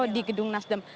di gedung nasdem